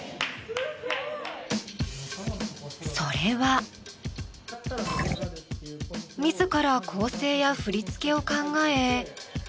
それは自ら構成や振り付けを考え。